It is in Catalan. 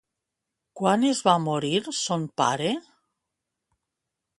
Quan es va morir son pare?